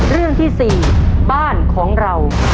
เรื่องที่๔บ้านของเรา